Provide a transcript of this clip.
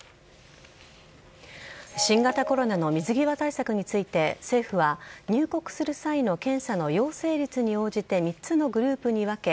新型コロナの水際対策について政府は入国する際の検査の陽性率に応じて３つのグループに分け